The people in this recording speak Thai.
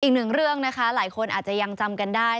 อีกหนึ่งเรื่องนะคะหลายคนอาจจะยังจำกันได้